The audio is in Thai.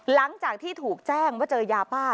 หลังจากที่ถูกแจ้งว่าเจอยาบ้า